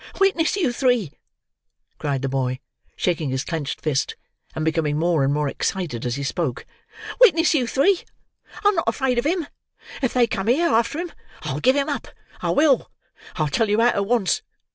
"Witness you three," cried the boy shaking his clenched fist, and becoming more and more excited as he spoke. "Witness you three—I'm not afraid of him—if they come here after him, I'll give him up; I will. I tell you out at once.